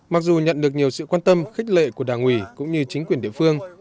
mặc dù nhận được nhiều sự quan tâm khích lệ của đảng ủy cũng như chính quyền địa phương